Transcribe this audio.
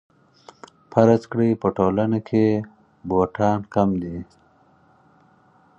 فرض کړئ په ټولنه کې بوټان کم دي